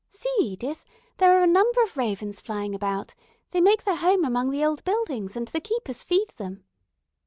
See, Edith, there are a number of ravens flying about; they make their home among the old buildings, and the keepers feed them."